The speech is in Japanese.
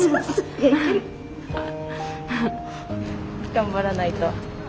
頑張らないと。